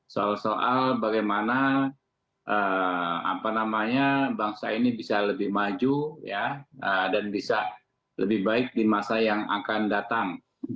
soal soal bagaimana bangsa ini bisa lebih maju dan bisa lebih baik di masa yang akan datang